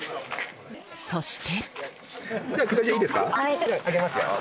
そして。